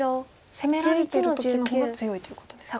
攻められてる時の方が強いということですか？